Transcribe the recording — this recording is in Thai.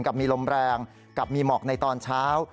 กับมีลมแรงกับมีหมอกในตอนเช้า